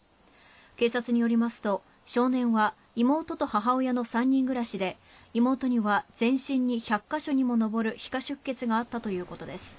警察によりますと少年は妹と母親の３人暮らしで妹には全身に１００か所にも上る皮下出血があったということです。